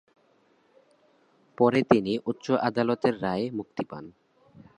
পরে তিনি উচ্চ আদালতের রায়ে মুক্তি পান।